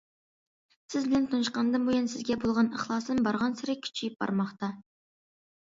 سىز بىلەن تونۇشقاندىن بۇيان، سىزگە بولغان ئىخلاسىم بارغانسېرى كۈچىيىپ بارماقتا.